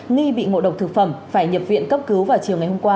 nghi bị ngộ độc thực phẩm phải nhập viện cấp cứu vào chiều ngày hôm qua